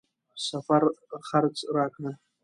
سفر خرڅ راکړ.